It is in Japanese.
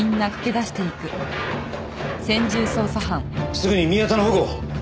すぐに宮田の保護を！